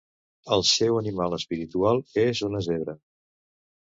Al seu animal espiritual és una zebra.